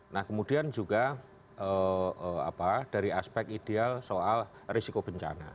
nah kemudian juga dari aspek ideal soal risiko bencana